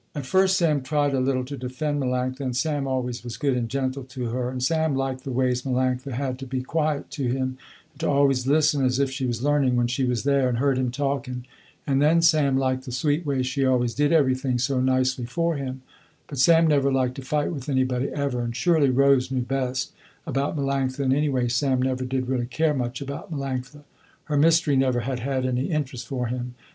At first Sam tried a little to defend Melanctha, and Sam always was good and gentle to her, and Sam liked the ways Melanctha had to be quiet to him, and to always listen as if she was learning, when she was there and heard him talking, and then Sam liked the sweet way she always did everything so nicely for him; but Sam never liked to fight with anybody ever, and surely Rose knew best about Melanctha and anyway Sam never did really care much about Melanctha. Her mystery never had had any interest for him.